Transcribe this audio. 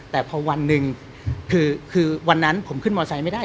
แต่พอวันหนึ่งคือวันนั้นผมขึ้นมอไซค์ไม่ได้